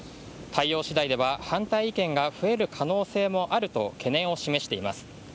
対応次第では反対意見が増える可能性もあると懸念を示しています。